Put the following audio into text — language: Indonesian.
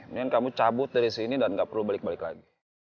mendingan kamu cabut dari sini dan gak perlu balik balik lagi